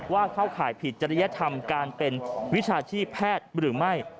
เข้าข่ายผิดจริยธรรมการเป็นวิชาชีพแพทย์หรือไม่